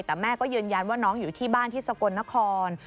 แต่แม่ก็ยืนยันว่าน้องอยู่ที่บ้านที่สกลนคร